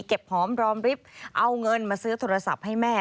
เก็บพร้อมรอบริฟท์เอาเงินมาซื้อโทรศัพท์ให้แม่